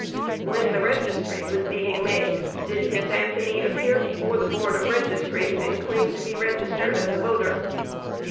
Q. When the registry was being made did Miss Anthony appear before the Board of Registry and claim to be registered as a voter?